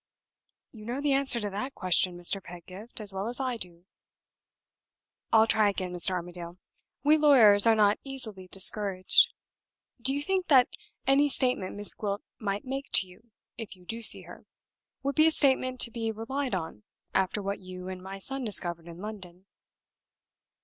"You know the answer to that question, Mr. Pedgift, as well as I do." "I'll try again, Mr. Armadale; we lawyers are not easily discouraged. Do you think that any statement Miss Gwilt might make to you, if you do see her, would be a statement to be relied on, after what you and my son discovered in London?"